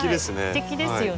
すてきですよね。